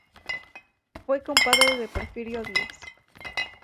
Fue compadre de Porfirio Díaz.